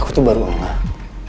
aku tuh baru enggak